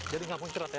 jadi ga pencret ya